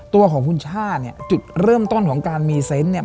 ตัวของคุณช่าเนี่ยจุดเริ่มต้นของการมีเซนต์เนี่ย